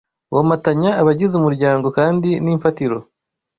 womatanya abagize umuryango kandi n’imfatiro